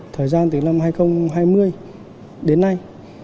thời gian từ năm hai nghìn hai mươi đến nay